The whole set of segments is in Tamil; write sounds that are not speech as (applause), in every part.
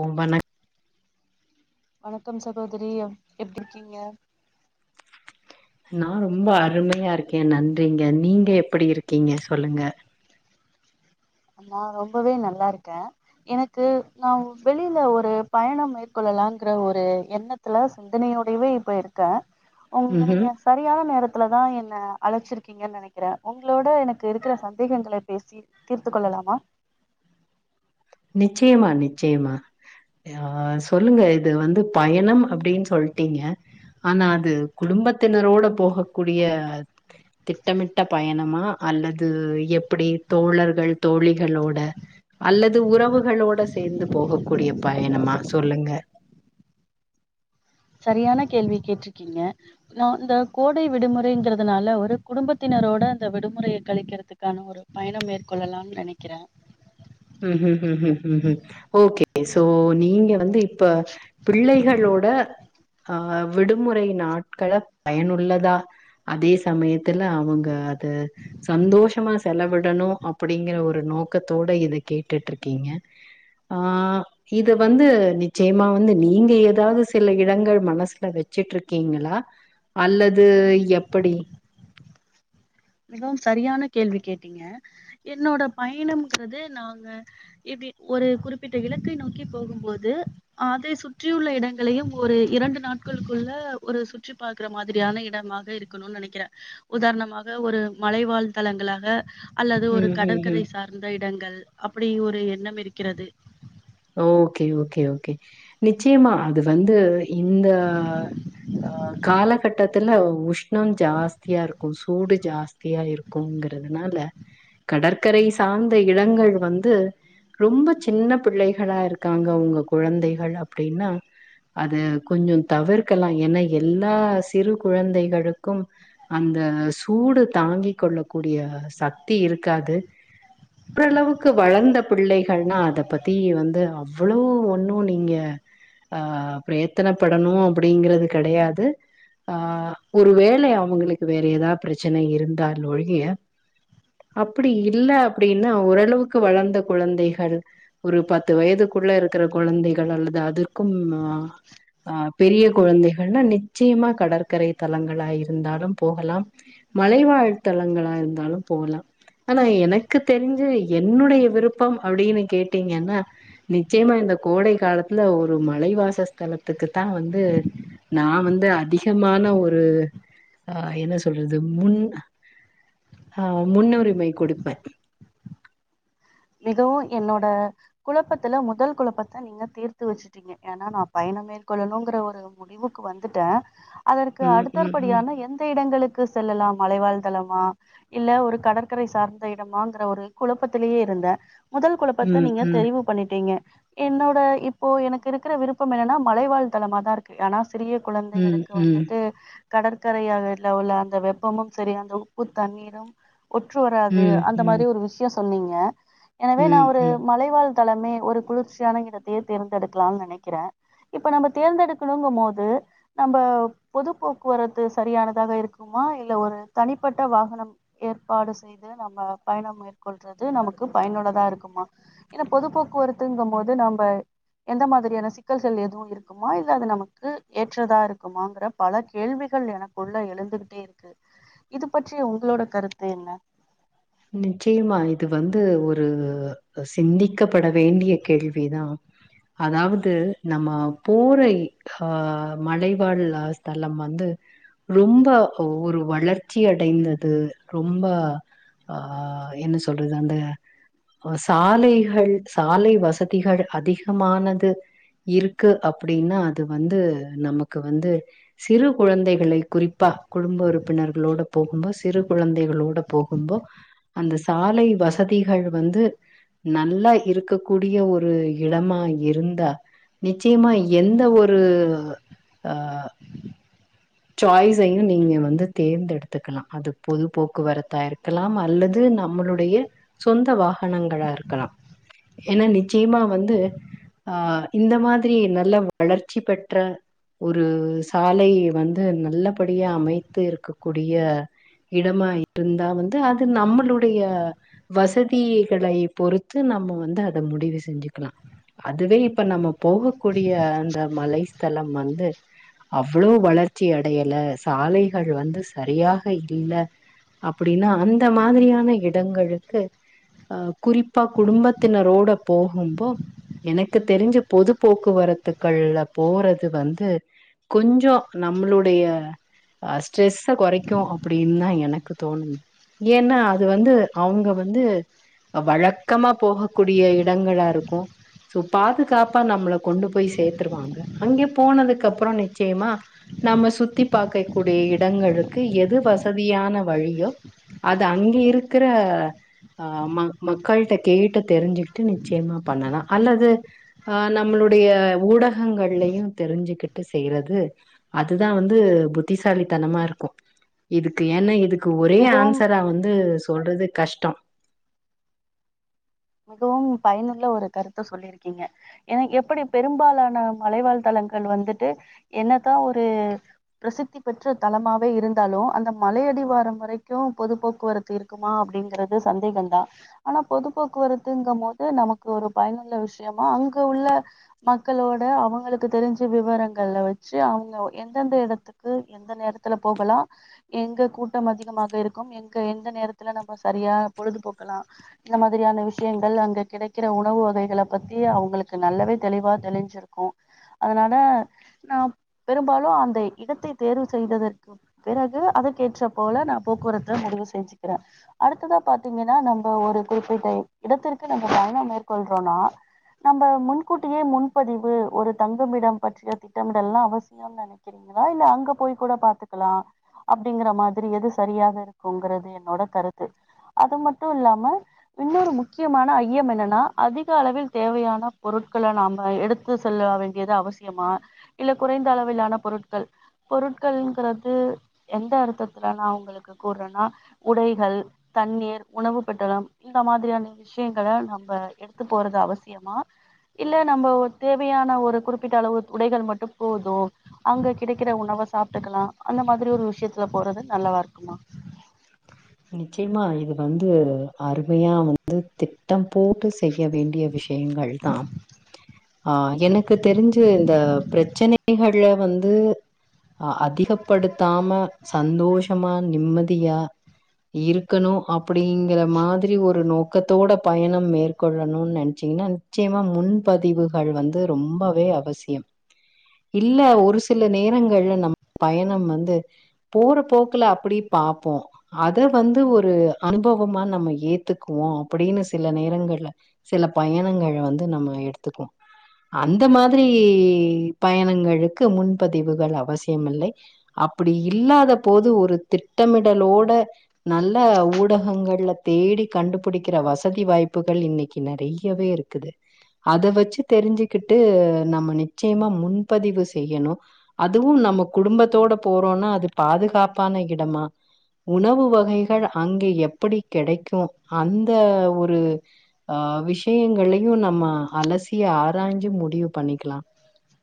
உமணக் வணக்கம் சகோதரி எப்டிருக்கீங்க நா ரொம்ப அருமையாருக்கே நன்றிங்க நீங்க எப்படி இருக்கீங்க சொல்லுங்க நா ரொம்பவே நல்லாருக்க எனக்கு நா வெளில ஒரு பயணோ மேற்கொள்ள லாங்குற ஒரு எண்ணத்துல சிந்தனையோடையவே இப்ப இருக்க உங்க ம்ஹும் நீங்க சரியான நேரத் துலதா என்ன அழச்சிருக்கீங்கன் நெனைக்குற உங்களோட எனக்கு இருக்குற சந்தேகங்கள பேசி தீர்த் துக்கொள்ளலாமா நிச்சயமா நிச்சயமா ஆ சொல்லுங்க இது வந்து பயணம் அப்டின் சொல்ட்டீங்க ஆனா அது குடும்பத்தினரோட போக கூடிய திட்டமிட்ட பயணமா அல்லது எப்படி தோழர்கள் தோழிகளோட அல்லது இது உறவுகளோட சேந்து போகக் கூடிய பயணமா சொல்லுங்க சரியான கேள்வி கேட்ருக்கீங்க நா இந்த கோடை விடுமுறைங்குறதுனால ஒரு குடும்பத்தினர் னரோட அந்த விடுமுறைய கலிக்கிறதுக்கான ஒரு பயணம் மேற்கொள்ளலாம் நெனைக்கிற ம் ம் ம் ம் ம் ம் ம் ஓகே சோ நீங்க வந்து இப்ப பிள்ளைகள்ளோ ஓட ஆ விடுமுறை நாட்கள பயனுள்ளதா அதே சமயத்துல அவங்க அது சந்தோஷமா செலவிடணு அப்படிங்கிற ஒரு நோக்கத்தோட இதுக் கேட்டுட்ருக்கீங்க ஆ இது வந்து நிச்சயமா வந்து நீங்க ஏதாவது சில இடங்கள் மனசுல வெச்சி சிட்ருக்கீங்களா அல்லது எப்படி மிகவும் சரியான கேள்வி கேட்டீங்க என்னோட பயணம்ங்குறது நாங்க இப் டி ஒரு குறிப்பிட்ட இலக்கை நோக்கி போகும்போது அதை சுற்றியுள்ள இடங்களையும் ஒரு இரண்டு நாட்களுக்குள்ள ஒரு சுற்றி பார்க்கற மாதிரியான இடமாக இருக்கணும்னு நெனைக்கிற உதாரணமாக ஒரு மலைவாழ் தளங்களாக அல்லது ஒரு ம், ம், ம். கடற்கரை சார்ந்த இடங்கள் அப்படி ஒரு எண்ணம் இருக்கிறது ஓகே ஓகே ஓகே நிச்சியமா அது வந்து இந்த அ காலகட்டத்துல உஷ்ணோ ஜாஸ்தியாருக்கு சூடு ஜாஸ்தியா இருக்கும் ங்கிறதுனால கடற்கரை சார்ந்த இடங்கள் வந்து ரொம்ப சின்ன பிள்ளை களா இருக்காங்க உங்க குழந்தைகள் அப்டின்னா அது கொஞ்ச தவிர்க்கலா ஏன்னா எல்லா சிறு குழந்தைகளுக்கும் அந் த சூடு தாங்க்கிகொள்ளக்கூடிய சக்தி இருக்காது ஓரளவுக்கு வளர்ந்த பிள்ளைகள்னா அத பத்தி வந் து அவ்வளவ் ஒண்ணு நீங்க ஆ பிரயத்தனப்படணு அப்டிங்கிறது கிடையாது ஆ ஒரு வேளை அவங்களுக்கு வேற ஏதா பிரச்சனை இருந்தால் ஒழிய அப்டி இல் அப்டின்னா ஓரளவுக்கு வளர்ந்த குழந்தைகள் ஒரு பத் பத்து வயதுக்குள்ள இருக்கிற குழந்தைகள் அல்லது அதுற்கும் ஆ பெரிய குழந்தைகள்னா நிச்சயமா கடற்கரை தலங்களா இருந்தாலும் போகலாம் மலைவாழ்த்தளங்களா இருந்தாலு போலா ஆனா எனக்கு தெரிஞ்சு என்னுடைய விருப்பம் அப்டின்னு கேட்டீங்கன்னா நிச்சயமா இந்த கோடை காலத்துல ஒரு மலைவாச ஸ்தலத்துக்கு தா வந்து நா வந்து அதிகமான ஒரு அ என்ன சொல்றது முன் ஆ முன்னுரிமை கொடுப்பே மிகவு என்னோட குழப்பத்துல முதல் குழப்பத்த நீங்க தீர்த்து வச்சுட்டீங்க ஏன்னா நா பயன மேற்கொள்ளணும்ங்கிற ஒரு முடிவுக்கு வந்துட்டே அதற்கு ம் அடுத்த ம் ம் படியான எந்த இடங்களுக் செல்லலா மலைவாழ்தளமா இல்ல ஒரு கடற்கரை சார்ந்த இடமாங்ற ஒரு குழப்பத்திலேயே இருந்தே முதல் குழப்பத்த ம் நீங்க ம் தெழிவு பண்ணிட்டீங்க என்னோட இப்போ எனக்கு இருக்கிற விருப்பம் என்னன்னா மலைவாழ் தளமா தா இருக்கு ஆனா சிறிய ம், குழந்தைகளுக்கு ம், வந்துட்டு கடற்கரையல உள்ள அந்த வெப்பமும் சரி அந்த உப்பு தண்ணீரும் ஒற்று வராது ம், அந்த ம், மாரி ஒரு விஷய சொன்னீங்க எனவே நா ம், ஒரு ம். மலைவாழ் தலமே ஒரு குளிர்ச்சியான இடத்தையே தேர்ந்தெடுக்கலானு நினைக்கிறே இப்ப நம்ம தேர்ந்தெடுக்கணுங்கு போது நம்ம பொது போக்குவரத்து சரியானதாக இருக்குமா ஆ இல்ல ஒரு தனிப்பட்ட வாகனம் ஏற்பாடு செய்து நம்ம பயணம் மேற்கொள்றது நமக்கு பயனுள்ளதா இருக்குமா ஏனா பொது போக்குவரத்துங்கு போது நம்ம எந்த மாதிரியான சிக்கல்கள் எதுவு இருக்குமா இல்ல அது நமக்கு ஏற்றதா இருக்குமாங்கற பல கேள்வி கள் எனக்கு உள்ள எழுந்துகிட்டே இருக்கு இது பற்றி உங்களோட கருத்து என்ன நிச்சயமா இது வந்து ஒரு சிந்திக்கப்பட வேண்டிய கேள்விதா அதாவது நம்ம போரை ஆ மலைவாழ் ஸ்தலம் வந்து ரொம்ப ஒரு வளர்ச்சி அடைந்தது ரொம்ப ஆ என்ன சொல்றது அந்த ஓ சாலைகள் சாலை வசதிகள் அதிகமானது இருக்கு அப்டின்னா அது வந்து நமக்கு வந்து சிறு குழந்தைகளை குறிப்பா குடும்ப உறுப்பினர்களோட போகும்போ சிறு குழந்தைகளோட போகும்போ அந்த சாலை வசதிகள் வந்து நல்லா இருக்க கூடிய ஒரு இடமா இருந்தா நிச்சயமா எந்த ஒரு ஆ சாய்ஸையு நீங்க வந்து தேர்ந்தெடுத்துக்கலா அது பொது போக்குவரத்தா இருக்கலா அல்லது நம்மளுடைய சொந்த வாகனங்களா இருக்கலா ஏன்னா நிச்சயமா வந்து ஆ இந்த மாதிரி நல்ல வளர்ச்சி பெற்ற ஒரு சாலை வந் து நல்லபடியா அமைத்து இருக்கக்கூடிய இடமா இருந்தா வந்து அது நம்மளுடைய வசதிகளை பொறுத்து நம்ம வந்து அத முடிவு செஞ்சுக்கலா அதுவே இப்ப நம்ம போகக்கூடிய அந்த மலைஸ்தலம் வந்து அவ்ளோ வளர்ச்சி அடையல சாலைகள் வந்து சரியாக இல்ல அப்டின்னா அந்த மாதிரியான இடங்களுக்கு அ குறிப்பா குடும்பத்தினரோட போகும்போ எனக்கு தெரிஞ்சு பொது போக்குவரத்துக்கள்ல போறது வந்து கொஞ்சோ நம்மளுடைய அ ஸ்ட்ரெஸ்ஸ கொறைக்கு அப்படின்னு தா எனக்கு தோணு ஏன்னா அது வந்து அவங்க வந்து வழக்கமா போகக்கூடிய இடங்களா இருக்கு சோ பாதுகாப்பா நம்மள கொண்டு போய் சேத்துருவாங்க அங்க போனதுக்கு அப்புற நிச்சயமா நம்ம சுத்தி பாக்க கூடிய இடங்களுக்கு எது வசதியான வழியோ அது அங்க இருக்குற ஆ மக்கள்ட்ட கேட்டு தெரிஞ்சுக்கிட்டு நிச்சயமா பண்ணலா அல்லது அ நம்மளோ ளுடைய ஊடகங்கள்லையு தெரிஞ்சுக்கிட்டு செய்றது அதுதா வந்து புத்திசாலித்தனமா இருக்கு இதுக்கு ஏன்னா இதுக் கு ஒரே மிகவும் ஆன்சரா வந்து சொல்றது கஷ்ட மிகவும் பயனுள்ள ஒரு கருத்த சொல்லிருக்கீங்க ஏன்னா எப்படி பெரும்பாலான மலைவாழ் தளங் வர்கள் வந்துட்டு என்னதா ஒரு பிரசித்தி பெற்ற தளமாவே இருந்தாலு அந்த மலை அடி வாரம் வரைக்கு பொது போக்குவரத்து இருக்குமா அப்படிங்கறது சந்தேகம் தா ஆனா பொது போக்குவரத் துங்கும் போது நமக்கு ஒரு பயனுள்ள விஷயமா அங்க உள்ள மக்களோட அவங்களுக்கு தெரிஞ்சு விவரங்கள்ல வச்சு அவங்க எந்தெந்த இடத்துக்கு எந்த நேரத்துல போகலா எங்க கூ கூட்டம் அதிகமாக இருக்கும் எங்க எந்த நேரத்துல நம்ம சரியா பொழுதுபோக்கலா இந்த மாதிரியான விஷய விஷயங்க அங்க கிடைக்கிற உணவு வகைகளை பத்தி அவங்களுக்கு நல்லாவே தெளிவா தெளிஞ்சிருக்கு அதனால நா பெரும்பாலு அந்த இடத்தை தேர்வு செய்ததற்கு பிறகு அதுக்கேற்ற போல நா போக்குவரத்த முடிவு செய்ஞ்சுக்கிறே அடுத்ததா பாத்தீங்கன்னா நம்ப ஒரு குறிப்பிட்ட இடத்திற்கு நம்ம பயண மேற்கொள்றோனா நம்ப முன்கூட்டியே முன்பதிவு ஒரு தங்குமிடம் பற்றிய திட்டமிடல்லா அவசியனு நெனைக்கிறே கலா இல்ல அங்க போய் கூட பாத்துக்கலா அப்படிங்கற மாதிரி எது சரியாக இருக்குங்குறது என்னோட கருத்து அது மட்டு இல்லாம இன்னொரு முக் முக்கியமான ஐயம் என்னன்னா அதிக அளவில் தேவையான பொருட்கள நாம எடுத்து செல்ல வேண்டியது அவ சியமா இல்ல குறைந்த அளவிலான பொருட்கள் பொருட்கள்ங்கிறது எந்த அர்த்தத்துல நா உங்களுக்கு கூற்றன்னா உடைகள் தண்ணீர் உணவு பெட்டலம் இந்த மாதிரியான நீ விஷயங்கள நம்ப எடுத்து போறது அவசியமா இல்ல நம்ப தேவையான ஒரு குறிப்பிட்ட அளவு உடைகள் மட்டு போது அங்க கிடைக்கிற உணவு சாப்டுக்கலா அந்த மாதிரி ஒரு விஷயத்துல போறது நல்லவா இருக்குமா (inaudible) நிச்சயமா இது வந்து அருமையா வந்து திட்டம் போட்டு செய்ய வேண்டிய விஷ யங்கள் தா ஆ எனக்கு தெரிஞ்சி இந்த பிரச்சனைகள் உள்ள வந்து அ அதிகப்படுத்தாம சந்தோஷமா நிம்மதியா இருக்கணு அப்படிங்கற மாதிரி ஒரு நோக்கத்தோட பயணம் மேற்கொள்ளணுனு நெனச்சீங்க நிச்சயமா முன்பதிவுகள் வந்து ரொம்பவே அவசியம் இல்ல ஒரு சில நேரங்கள்ல நம்ம பயணம் வந்து போற போக்குல அப்படி பாப்போ அத வந்து ஒரு அனுபவமா நம்ம ஏத்துக்குவோ அப்டின்னு சில நேரங்கள்ல சிலப் பயணங்கள் வந்து நம்ம எடுத்துக்கு அந்த மாதிரி பயணங்களுக்கு முன்பதிவுகள் அவசியம் இல்லை அப்படி இல்லாத போது ஒரு திட்டமிடலோட நல்ல ஊடகங்கள்ல தேடி கண்டுபிடிக்கிற வசதி வாய்ப்புகள் இன்னைக்கி நெறைய வே இருக்குது அத வச்சி தெரிஞ்சிக்கிட்டு நம்ம நிச்சயமா முன்பதிவு செய்யணு அதுவு நம்ம குடும்பத்தோட போறோம்னா அது பாதுகாப்பான இடமா உணவு வகைகள் அங்கே எப்படி கெடைக்கு அந்த ஒரு ஆ விஷயங்களையு நம்ம அலசி ஆரான்ச்சி முடிவு பண்ணிக்குலா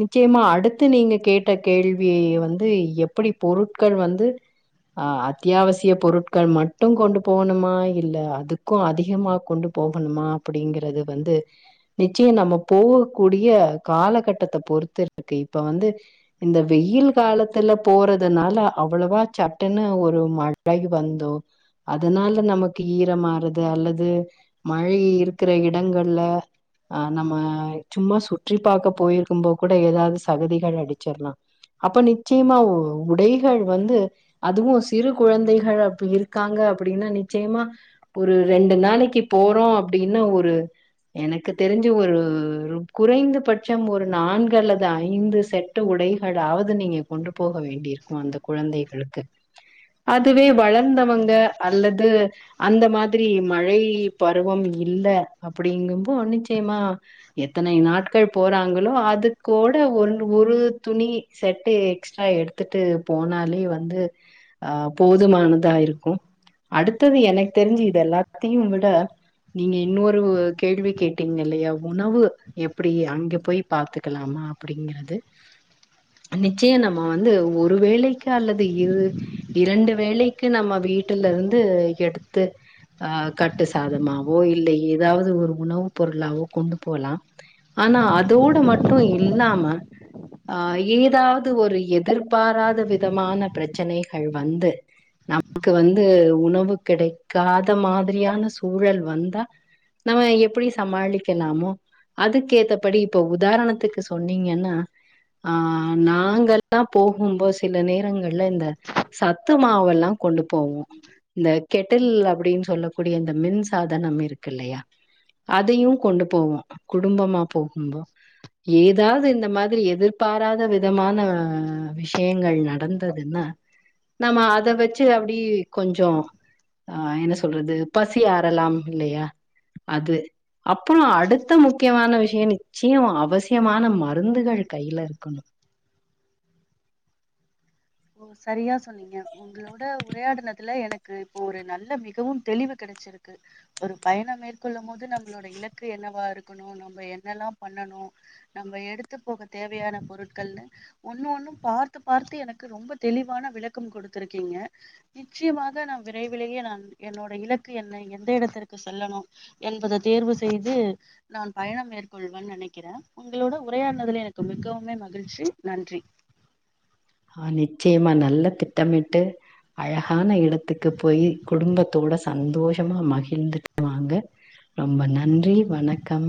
நிச்சயமா அடுத்து நீங்க கேட்ட கேள்வி வந்து எப்படி பொருட்கள் வந்து ஆ அத்தியாவசிய பொருட்கள் மட்டு கொண்டு போகணுமா இல்ல அதுக்கு அதிகமா கொண்டு போகணுமா அப்டிங்கறது வந்து நிச்சய நம்ம போகக்கூடிய காலகட்டத்த பொறுத்து இருக்கு இப்ப வந்து இந்த வெயில் காலத்துல போறதுனால அவ்வளவா சட்டுன்னு ஒ ரு மழை வந்தோ அதனால நமக்கு ஈரமா ஆறது அல்லது மழை இருக்குற இடங்கள்ல ஆ நம்ம சும்மா சுற்றி பாக்க போயிருக்கும்போ கூட ஏதாவது சகதிகள் அடிச்சிற்லா அப்ப நிச்சயமா உ உடைகள் வந்து அதுவு சிறு குழந்தைகள் அப்டி இருக்காங்க அப்டின்னா நிச்சயமா ஒரு ரெண்டு நாளைக்கு போறோ அப் டின்னா ஒரு எனக்கு தெரிஞ்சு ஒரு குறைந்தபட்சம் ஒரு நான்கு அல்லது ஐந்து செட்டு உ டைகளாவது நீங்க கொண்டு போக வேண்டி இருக்கு அந்த குழந்தைகளுக்கு அதுவே வளர்ந்தவங்க அல்லது அந்த மாதிரி மழை பருவம் இல் ல அப்படிங்கும்போ நிச்சயமா எத்தனை நாட்கள் போறாங்களோ அதுக்கூட ஒ ஒன்னு ஒரு துணி செட்டு எக்ஸ்ட்ரா எடுத்துட்டு போனாலே வந்து ஆ போதுமானதா இருக்கு அடுத்தது எனக்கு தெரிஞ்சு இத எல்லாத்தையு விட நீங்க இன்னொரு கேள்வி கேட்டீங்க இல்லையா உணவு எப்டி அங்க போய் பாத்துக்கலாம் மா அப்டிங்கிறது நிச்சய நம்ம வந்து ஒரு வேளைக்கு அல்லது இரு இரண்டு வேலைக்கு நம்ம வீட்டுல இருந்து எடுத்து ஆ கட்டு சாதமா ஆவோ இல்ல ஏதாவது ஒரு உணவு பொருளாவோ கொண்டு போலா ஆனா அதோட மட்டு இல்லாம ஆ ஏதாவது ஒரு எதிர்பாராத விதமான பிரச்சனைகள் வந்து நமக்கு வந்து உணவு கெடைக்காத மாதிரியான சூழல் வந்தா நம்ம எப்டி சமாளிக்கலாமோ அதுக்கு ஏத்தபடி இப்ப உதாரணத்துக்கு சொன்னீங்கன்னா ஆ நாங்களா போகும்போ சில நேரங்கள்ல இந்த சத்து மாவுலா கொண்டு போவோ இந்த கெட்டில் அப்டின்னு சொல்லக்கூடிய இந்த மின் சாதனம் இருக்கு இல்லையா அதையு கொண்டு போவோ குடும்பமா போகும்போ ஏதாவது இந்த மாதிரி எதிர்பாராத விதமான விஷயங்கள் நடந்ததுன்னா நம அத வெச்சு அப்டி கொஞ்சோ ஆ என்ன சொல்றது பசி ஆறலாம் இல்லையா அது அப்புற அடுத்த முக்கியமான விஷய நிச்சய அவசியமான மருந்துகள் கையில இருக்கணு ஓ சரியா சொன்னீங்க உங்களோட உரையாடுனதுல எனக்கு இப்போ ஒரு நல்ல மிகவு தெளிவு க டச்சிருக்கு ஒரு பயணம் மேற்கொள்ளும் போது நம்மளோட இலக்கு என்னவா இருக்கணு நம்ம என்னெல்லா பண்ண ணு நம்ம எடுத்து போக தேவையான பொருள்கள்னு ஒன்னு ஒன்னு பார்த்து பார்த்து எனக் கு ரொம்ப தெளிவான விளக்கம் கொடுத்திருக்கீங்க நிச்சயமாக நா விரைவிலேயே நா என்னோட இல க்கு என்ன எந்த இடத்திற்கு செல்லணு என்பத தேர்வு செய்து நான் பயணம் மேற்கொள்வன் ந னைக்கிறே உங்களோட உரையாடுனதுல எனக்கு மிகவுமே மகிழ்ச்சி நன்றி ஆ நிச்சயமா நல்ல திட்டமிட்டு அழகான இடத்துக்கு போயி குடும்பத்தோட சந்தோஷமா மகிழ்ந்திட்டுவாங்க ரொம்ப நன்றி வணக்கம்